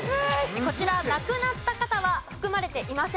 こちら亡くなった方は含まれていません。